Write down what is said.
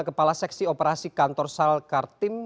kepala seksi operasi kantor salkartim